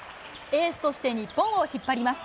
エースとして日本を引っ張ります。